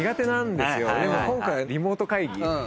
でも今回リモート会議？